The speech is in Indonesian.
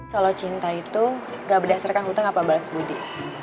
kalau cinta itu gak berdasarkan hutang apa balas budi